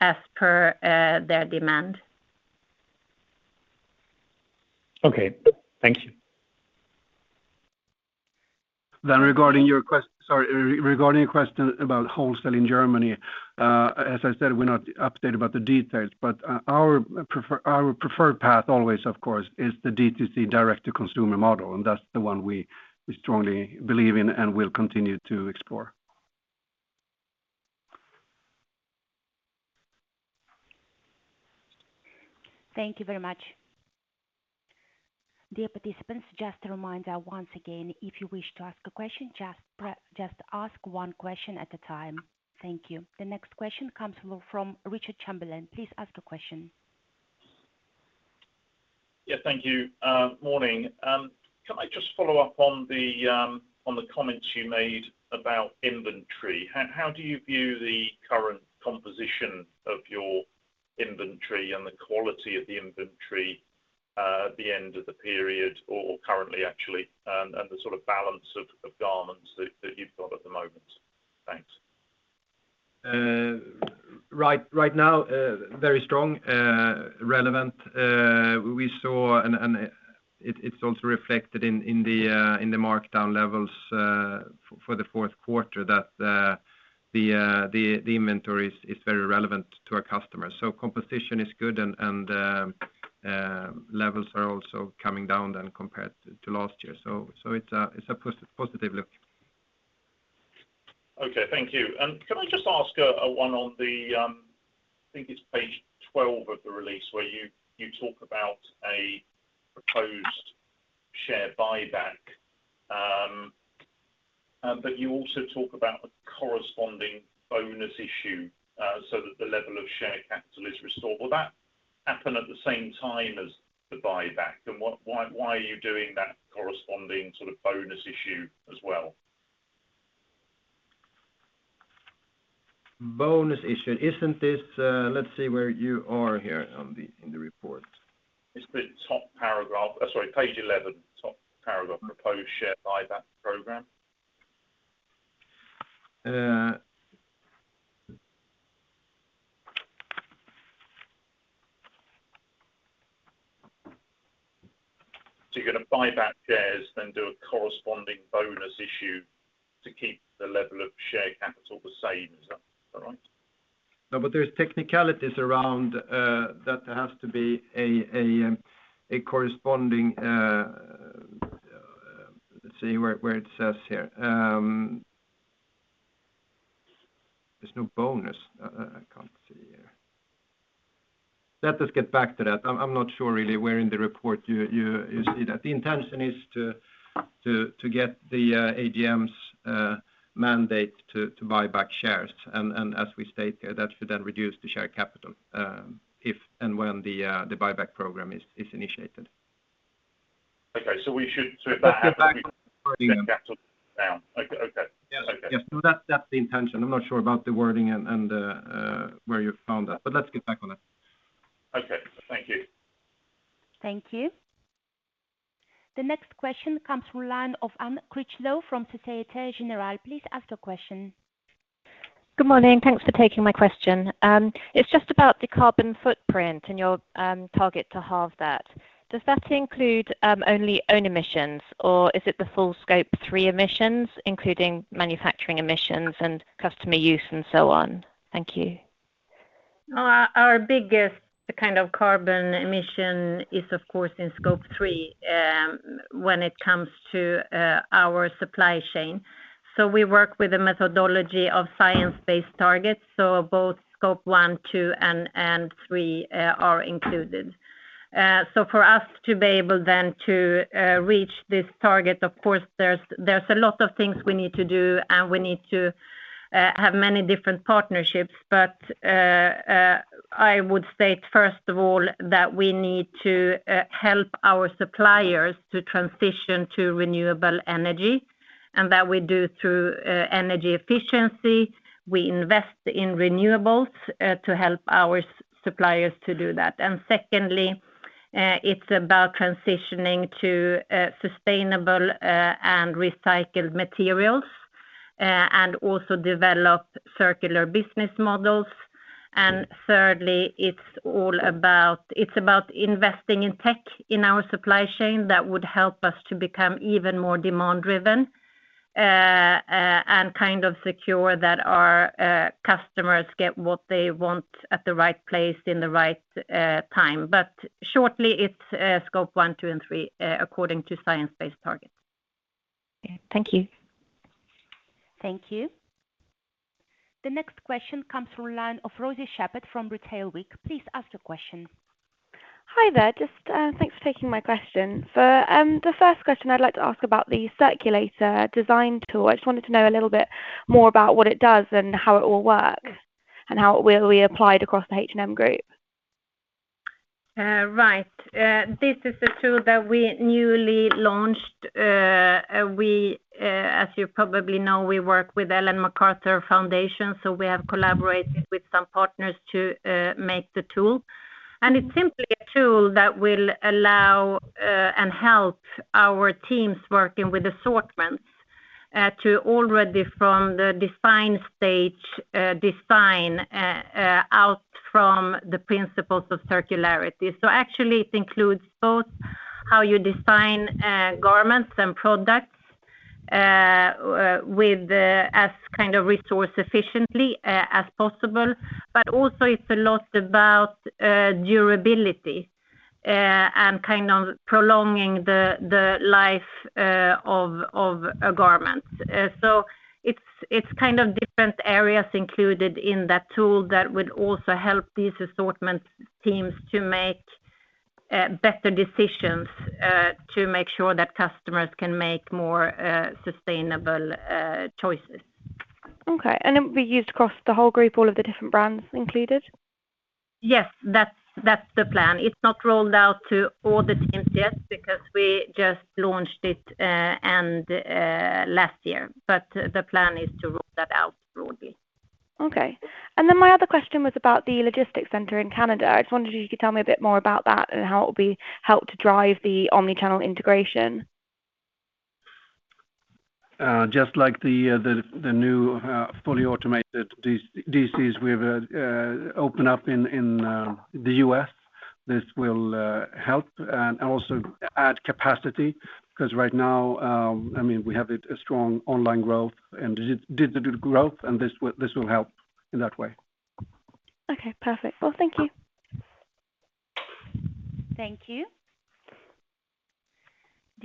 as per their demand. Okay. Thank you. Regarding your question about wholesale in Germany, as I said, we're not updated about the details, but our preferred path always, of course, is the D2C direct-to-consumer model, and that's the one we strongly believe in and will continue to explore. Thank you very much. Dear participants, just a reminder once again, if you wish to ask a question, just ask one question at a time. Thank you. The next question comes from Richard Chamberlain. Please ask your question. Yeah, thank you. Morning. Can I just follow up on the comments you made about inventory? How do you view the current composition of your inventory and the quality of the inventory at the end of the period or currently actually, and the sort of balance of garments that you've got at the moment? Thanks. Right now, very strong, relevant. It's also reflected in the markdown levels for the fourth quarter that the inventory is very relevant to our customers. Composition is good and levels are also coming down compared to last year. It's a positive look. Okay. Thank you. Can I just ask one on the, I think it's page 12 of the release where you talk about a proposed share buyback. But you also talk about a corresponding bonus issue, so that the level of share capital is restored. Will that happen at the same time as the buyback? Why are you doing that corresponding sort of bonus issue as well? Bonus issue. Isn't this? Let's see where you are here in the report. It's the top paragraph. Sorry, page 11, top paragraph, proposed share buyback program. Uh... You're gonna buy back shares then do a corresponding bonus issue to keep the level of share capital the same. Is that right? No, there's technicalities around that there has to be a corresponding. Let's see where it says here. There's no bonus. I can't see here. Let us get back to that. I'm not sure really where in the report you see that. The intention is to get the AGM's mandate to buy back shares. As we state, that should then reduce the share capital, if and when the buyback program is initiated. Okay. We should. Let's get back on the wording on that. CapEx down. Okay. Okay. Yes. Okay. Yes. That's the intention. I'm not sure about the wording and where you found that, but let's get back on that. Okay. Thank you. Thank you. The next question comes from the line of Anne Critchlow from Société Générale. Please ask your question. Good morning. Thanks for taking my question. It's just about the carbon footprint and your target to halve that. Does that include only own emissions, or is it the full Scope three emissions, including manufacturing emissions and customer use and so on? Thank you. Our biggest kind of carbon emission is, of course, in Scope three, when it comes to our supply chain. We work with a methodology of science-based targets, so both Scope one, two, and three are included. For us to be able then to reach this target, of course, there's a lot of things we need to do, and we need to have many different partnerships. I would state, first of all, that we need to help our suppliers to transition to renewable energy, and that we do through energy efficiency. We invest in renewables to help our suppliers to do that. Secondly, it's about transitioning to sustainable and recycled materials and also develop circular business models. Thirdly, it's about investing in tech in our supply chain that would help us to become even more demand-driven, and kind of secure that our customers get what they want at the right place in the right time. Shortly, it's Scope one, two, and three according to science-based targets. Okay. Thank you. Thank you. The next question comes from the line of Rosie Shepard from Retail Week. Please ask your question. Hi there. Just, thanks for taking my question. For the first question, I'd like to ask about the Circulator design tool. I just wanted to know a little bit more about what it does and how it will work and how it will be applied across the H&M Group. This is a tool that we newly launched. As you probably know, we work with Ellen MacArthur Foundation, so we have collaborated with some partners to make the tool. It's simply a tool that will allow and help our teams working with assortments to already from the design stage design out from the principles of circularity. Actually it includes both how you design garments and products with as kind of resource efficiently as possible, but also it's a lot about durability and kind of prolonging the life of a garment. It's kind of different areas included in that tool that would also help these assortment teams to make better decisions to make sure that customers can make more sustainable choices. Okay. It will be used across the whole group, all of the different brands included? Yes. That's the plan. It's not rolled out to all the teams yet because we just launched it last year. The plan is to roll that out broadly. Okay. My other question was about the logistics center in Canada. I just wondered if you could tell me a bit more about that and how it will help to drive the omni-channel integration. Just like the new fully automated DCs we've opened up in the U.S., this will help and also add capacity because right now, I mean, we have a strong online growth and digital growth, and this will help in that way. Okay. Perfect. Well, thank you. Thank you.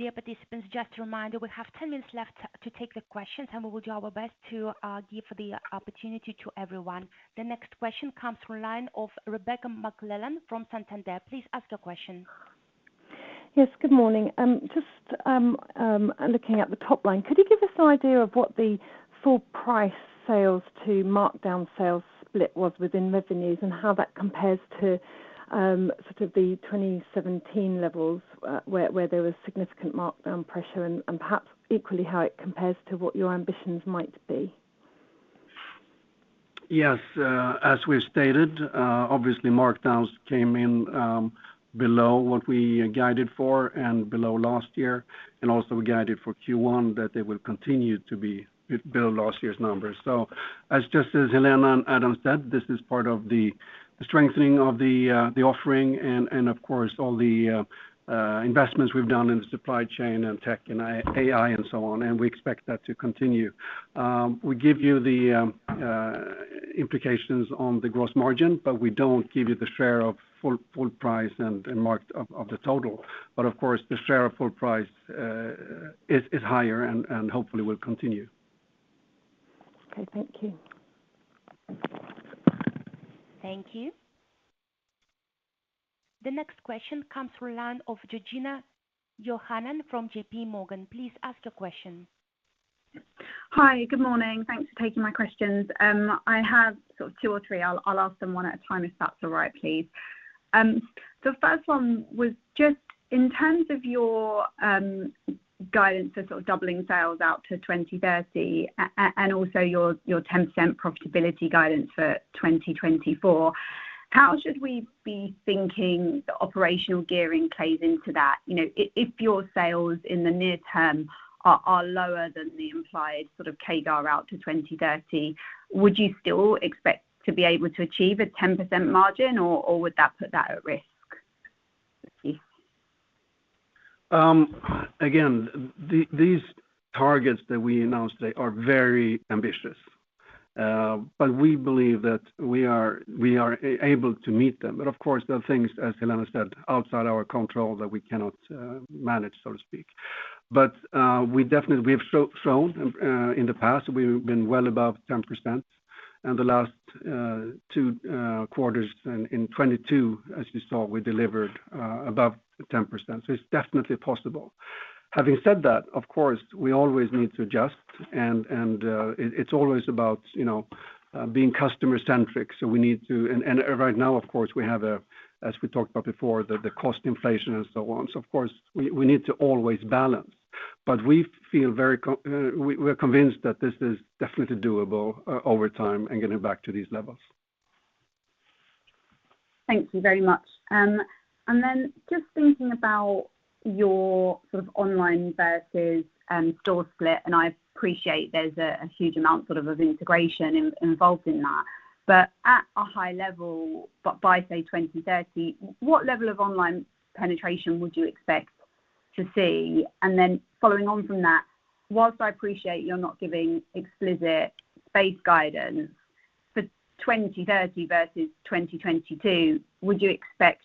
Dear participants, just a reminder, we have 10 minutes left to take the questions, and we will do our best to give the opportunity to everyone. The next question comes from the line of Rebecca McClellan from Santander. Please ask your question. Yes, good morning. Just looking at the top line, could you give us an idea of what the full price sales to markdown sales split was within revenues and how that compares to sort of the 2017 levels, where there was significant markdown pressure and perhaps equally how it compares to what your ambitions might be? Yes. As we stated, obviously markdowns came in below what we guided for and below last year, and also we guided for Q1 that they will continue to be below last year's numbers. As Helena and Adam said, this is part of the strengthening of the offering and, of course, all the investments we've done in the supply chain and tech and AI and so on, and we expect that to continue. We give you the implications on the gross margin, but we don't give you the share of full price and markdowns of the total. Of course, the share of full price is higher and hopefully will continue. Okay. Thank you. Thank you. The next question comes from the line of Georgina Johanan from JPMorgan. Please ask your question. Hi. Good morning. Thanks for taking my questions. I have sort of two or three. I'll ask them one at a time, if that's all right, please. The first one was just in terms of your guidance for sort of doubling sales out to 2030 and also your 10% profitability guidance for 2024, how should we be thinking the operational gearing plays into that? You know if your sales in the near term are lower than the implied sort of CAGR out to 2030, would you still expect to be able to achieve a 10% margin or would that put that at risk? Again, these targets that we announced today are very ambitious, but we believe that we are able to meet them. Of course, there are things, as Helena said, outside our control that we cannot manage, so to speak. We definitely have shown in the past, we've been well above 10% in the last two quarters in 2022, as you saw, we delivered above 10%. It's definitely possible. Having said that, of course, we always need to adjust and it's always about, you know, being customer-centric. We need to, and right now, of course, we have, as we talked about before, the cost inflation and so on. Of course, we need to always balance. We're convinced that this is definitely doable over time in getting back to these levels. Thank you very much. Just thinking about your online versus store split, I appreciate there's a huge amount of integration involved in that. At a high level, by say 2030, what level of online penetration would you expect to see? Following on from that, while I appreciate you're not giving explicit space guidance for 2030 versus 2022, would you expect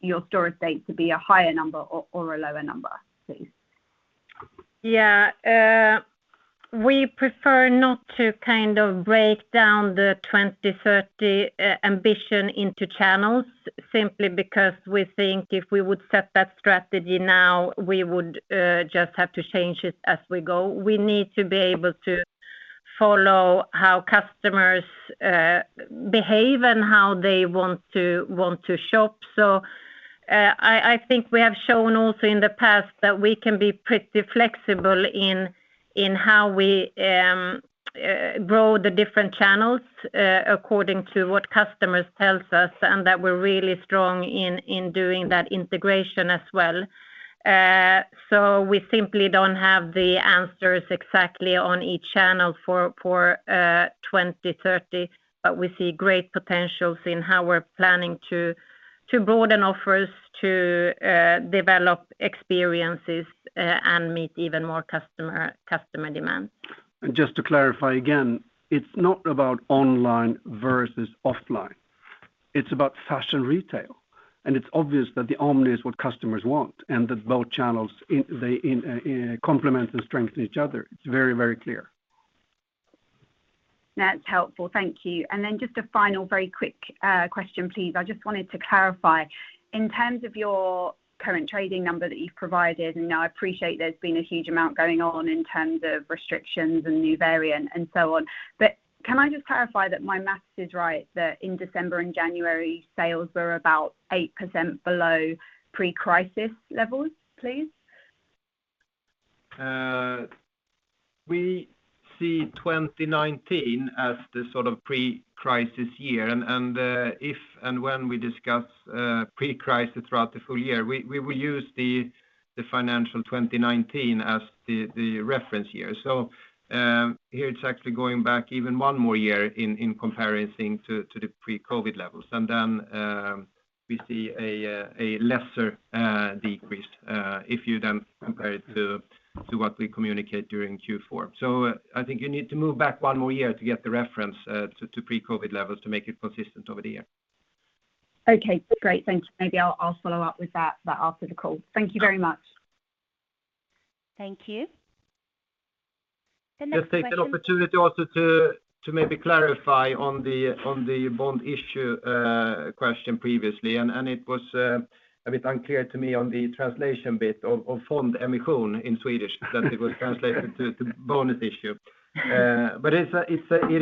your store estate to be a higher number or a lower number, please? Yeah, we prefer not to kind of break down the 2030 ambition into channels simply because we think if we would set that strategy now, we would just have to change it as we go. We need to be able to follow how customers behave and how they want to shop. I think we have shown also in the past that we can be pretty flexible in how we grow the different channels according to what customers tells us, and that we're really strong in doing that integration as well. We simply don't have the answers exactly on each channel for 2030. We see great potentials in how we're planning to broaden offers, to develop experiences, and meet even more customer demand. Just to clarify again, it's not about online versus offline. It's about fashion retail. It's obvious that the omni is what customers want and that both channels, they complement and strengthen each other. It's very, very clear. That's helpful. Thank you. Just a final very quick question, please. I just wanted to clarify, in terms of your current trading number that you've provided, and I appreciate there's been a huge amount going on in terms of restrictions and new variant and so on. Can I just clarify that my math is right, that in December and January, sales were about 8% below pre-crisis levels, please? We see 2019 as the sort of pre-crisis year. If and when we discuss pre-crisis throughout the full year, we will use the financial 2019 as the reference year. Here it's actually going back even one more year in comparison to the pre-COVID levels. We see a lesser decrease if you then compare it to what we communicate during Q4. I think you need to move back one more year to get the reference to pre-COVID levels to make it consistent over the year. Okay, great. Thank you. Maybe I'll follow up with that, but after the call. Thank you very much. Thank you. The next question. Just take the opportunity also to maybe clarify on the bond issue question previously. It was a bit unclear to me on the translation bit of fondemission in Swedish that it was translated to bonus issue. But it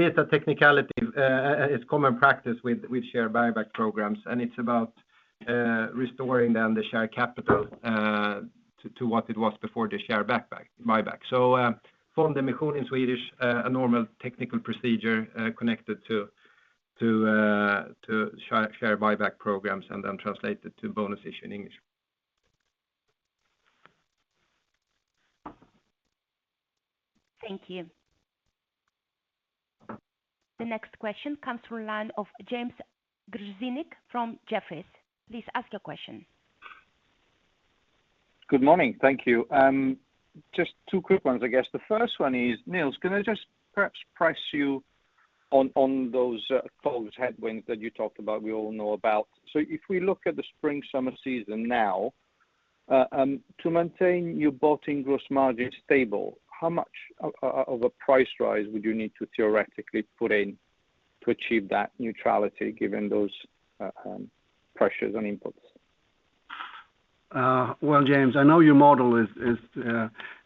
is a technicality. It's common practice with share buyback programs, and it's about restoring down the share capital to what it was before the share buyback. Fondemission in Swedish, a normal technical procedure connected to share buyback programs and then translated to bonus issue in English. Thank you. The next question comes from the line of James Grzinic from Jefferies. Please ask your question. Good morning. Thank you. Just two quick ones, I guess. The first one is, Nils, can I just perhaps press you on those cost headwinds that you talked about, we all know about? If we look at the spring, summer season now, to maintain your target gross margin stable, how much of a price rise would you need to theoretically put in to achieve that neutrality given those pressures on inputs? Well, James, I know your model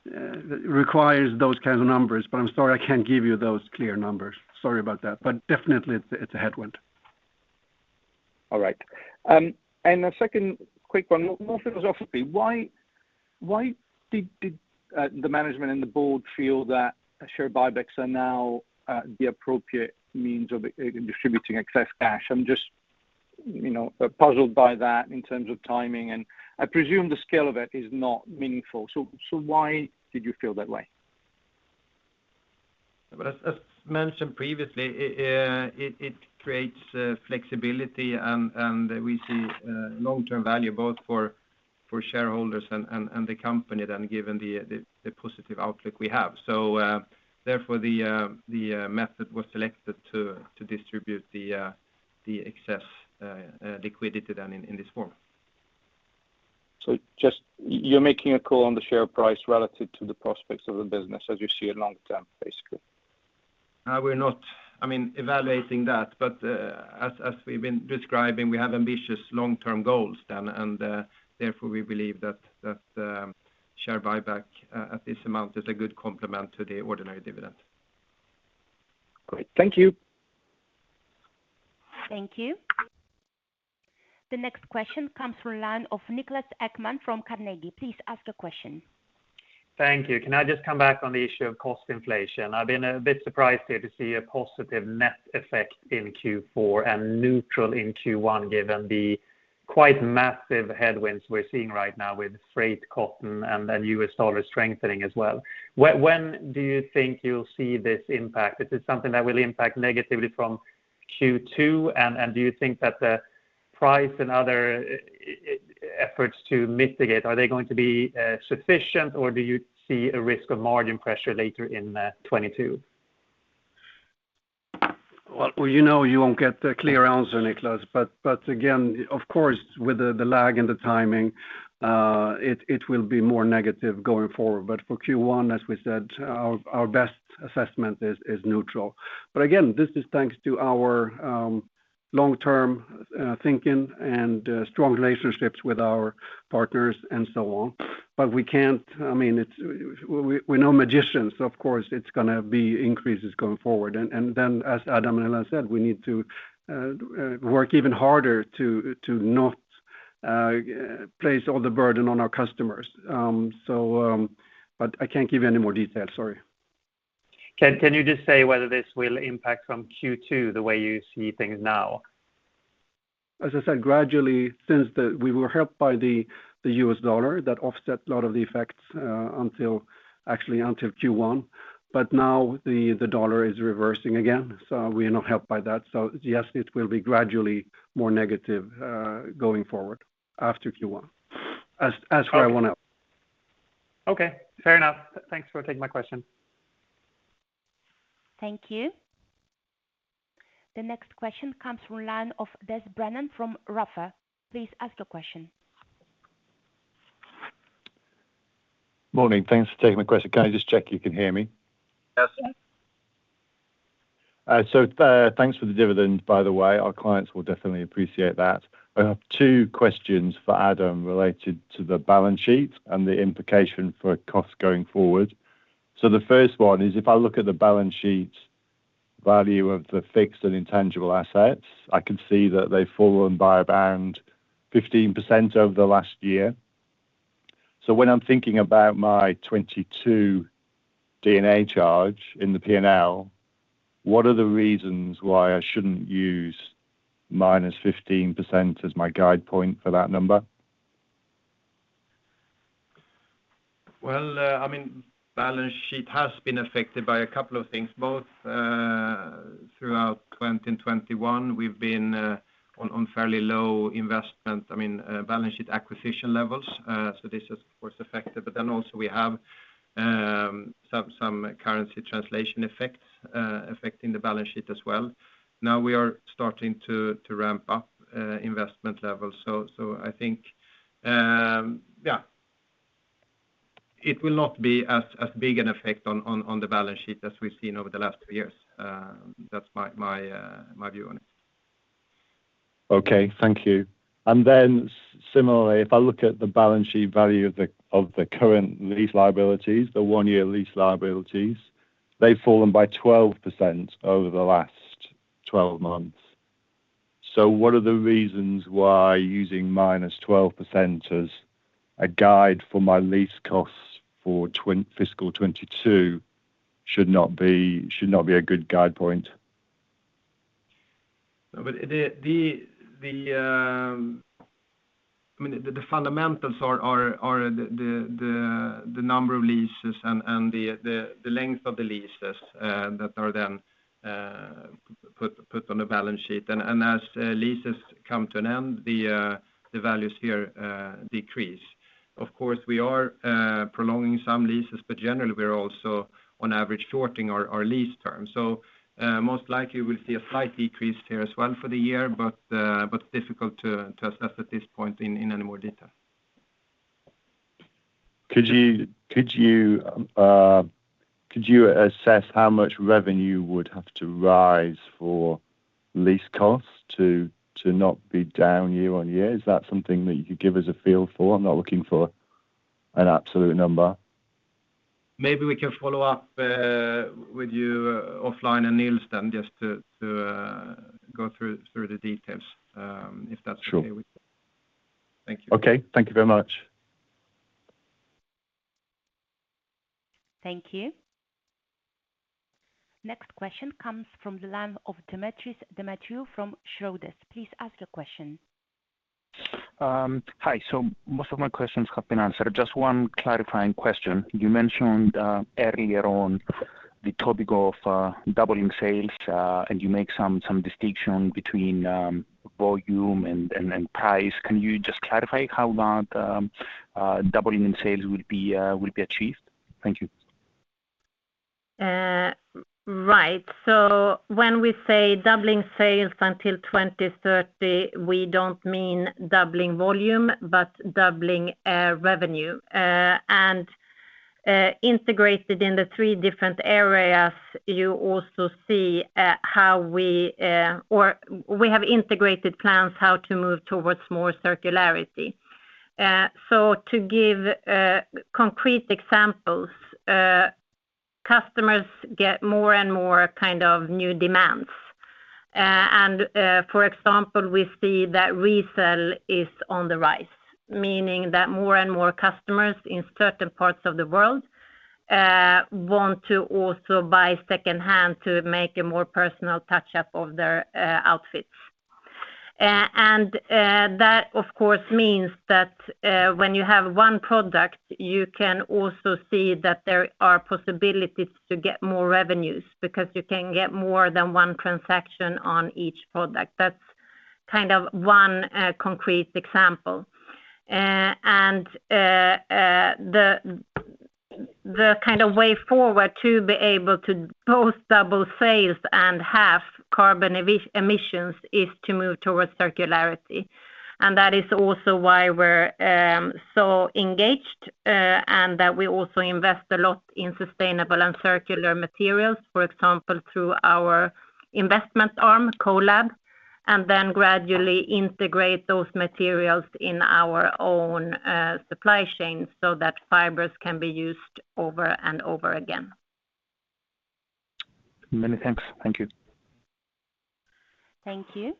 requires those kinds of numbers, but I'm sorry, I can't give you those clear numbers. Sorry about that. Definitely it's a headwind. All right. The second quick one, more philosophically, why did the management and the board feel that share buybacks are now the appropriate means of distributing excess cash? I'm just, you know, puzzled by that in terms of timing, and I presume the scale of it is not meaningful. Why did you feel that way? As mentioned previously, it creates flexibility and we see long-term value both for shareholders and the company given the positive outlook we have. Therefore, the method was selected to distribute the excess liquidity in this form. You're making a call on the share price relative to the prospects of the business as you see it long-term, basically? We're not, I mean, evaluating that. As we've been describing, we have ambitious long-term goals then, and therefore, we believe that share buyback at this amount is a good complement to the ordinary dividend. Great. Thank you. Thank you. The next question comes from the line of Niklas Ekman from Carnegie. Please ask a question. Thank you. Can I just come back on the issue of cost inflation? I've been a bit surprised here to see a positive net effect in Q4 and neutral in Q1, given the quite massive headwinds we're seeing right now with freight, cotton and then U.S. dollar strengthening as well. When do you think you'll see this impact? Is it something that will impact negatively from Q2? And do you think that the price and other efforts to mitigate are they going to be sufficient or do you see a risk of margin pressure later in 2022? Well, you know you won't get a clear answer, Niklas. Again, of course, with the lag in the timing, it will be more negative going forward. For Q1, as we said, our best assessment is neutral. Again, this is thanks to our long-term thinking and strong relationships with our partners and so on. We're no magicians, of course. It's gonna be increases going forward. As Adam and Helena said, we need to work even harder to not place all the burden on our customers. I can't give you any more detail. Sorry. Can you just say whether this will impact from Q2 the way you see things now? As I said, we were helped by the U.S. dollar that offset a lot of the effects until actually until Q1, but now the dollar is reversing again, so we are not helped by that. Yes, it will be gradually more negative going forward after Q1 as far as I wanna. Okay. Fair enough. Thanks for taking my question. Thank you. The next question comes from the line of Des Brennan from Ruffer. Please ask your question. Morning. Thanks for taking my question. Can I just check you can hear me? Yes. Thanks for the dividend, by the way. Our clients will definitely appreciate that. I have two questions for Adam related to the balance sheet and the implication for cost going forward. The first one is if I look at the balance sheet value of the fixed and intangible assets, I can see that they've fallen by around 15% over the last year. When I'm thinking about my 22 D&A charge in the P&L, what are the reasons why I shouldn't use -15% as my guide point for that number? Well, I mean, balance sheet has been affected by a couple of things, both throughout 2020 and 2021, we've been on fairly low investment. I mean, balance sheet acquisition levels, so this has, of course, affected. Also we have some currency translation effects affecting the balance sheet as well. Now we are starting to ramp up investment levels. I think, yeah. It will not be as big an effect on the balance sheet as we've seen over the last two years. That's my view on it. Okay. Thank you. Similarly, if I look at the balance sheet value of the current lease liabilities, the one-year lease liabilities, they've fallen by 12% over the last 12 months. What are the reasons why using -12% as a guide for my lease costs for fiscal 2022 should not be a good guide point? I mean the fundamentals are the number of leases and the length of the leases that are then put on a balance sheet. As leases come to an end, the values here decrease. Of course, we are prolonging some leases, but generally we're also on average shortening our lease terms. Most likely we'll see a slight decrease here as well for the year. Difficult to assess at this point in any more detail. Could you assess how much revenue would have to rise for lease costs to not be down year-on-year? Is that something that you could give us a feel for? I'm not looking for an absolute number. Maybe we can follow up with you offline and Nils then just to go through the details if that's okay with you. Sure. Thank you. Okay. Thank you very much. Thank you. Next question comes from the line of Demetris Demetriou from Schroders. Please ask your question. Most of my questions have been answered. Just one clarifying question. You mentioned earlier on the topic of doubling sales, and you make some distinction between volume and price. Can you just clarify how that doubling in sales will be achieved? Thank you. Right. When we say doubling sales until 2030, we don't mean doubling volume, but doubling revenue. Integrated in the three different areas, you also see how we have integrated plans how to move towards more circularity. To give concrete examples, customers get more and more kind of new demands. For example, we see that resale is on the rise, meaning that more and more customers in certain parts of the world want to also buy second-hand to make a more personal touch-up of their outfits. That of course means that when you have one product, you can also see that there are possibilities to get more revenues because you can get more than one transaction on each product. That's kind of one concrete example. The kind of way forward to be able to both double sales and half carbon emissions is to move towards circularity. That is also why we're so engaged and that we also invest a lot in sustainable and circular materials, for example, through our investment arm, CO:LAB, and then gradually integrate those materials in our own supply chain so that fibers can be used over and over again. Many thanks. Thank you. Thank you.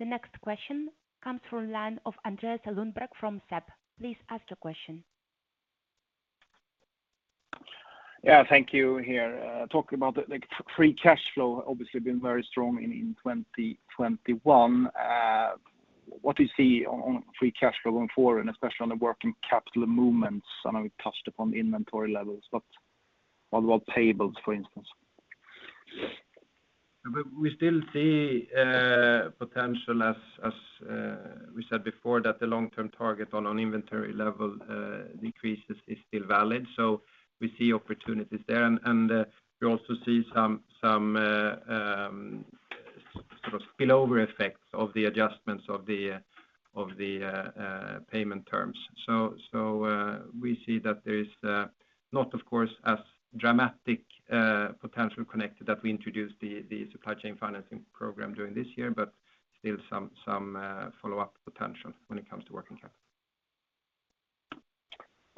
The next question comes from the line of Andreas Lundberg from SEB. Please ask your question. Yeah, thank you. Talking about the free cash flow has obviously been very strong in 2021. What do you see on free cash flow going forward and especially on the working capital movements? I know we touched upon the inventory levels, but what about payables, for instance? We still see potential as we said before that the long-term target on an inventory level decreases is still valid. We see opportunities there. We also see some sort of spillover effects of the adjustments of the payment terms. We see that there is not of course as dramatic potential connected that we introduced the supply chain financing program during this year, but still some follow-up potential when it comes to working capital.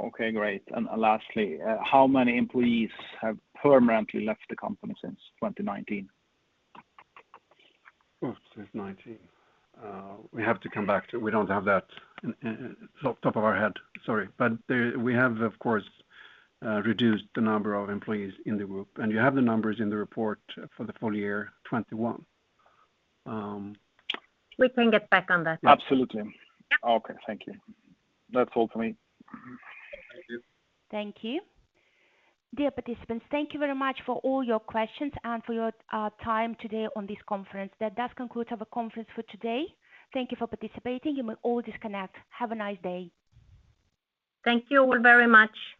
Okay, great. Lastly, how many employees have permanently left the company since 2019? Since 2019. We have to come back to that. We don't have that off the top of our head. Sorry. We have of course reduced the number of employees in the group. You have the numbers in the report for the full year 2021. We can get back on that. Absolutely. Yeah. Okay. Thank you. That's all for me. Thank you. Thank you. Dear participants, thank you very much for all your questions and for your time today on this conference. That does conclude our conference for today. Thank you for participating. You may all disconnect. Have a nice day. Thank you all very much.